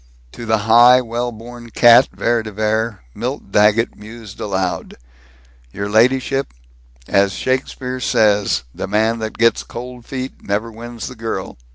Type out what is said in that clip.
To the high well born cat, Vere de Vere, Milt Daggett mused aloud, "Your ladyship, as Shakespeare says, the man that gets cold feet never wins the girl.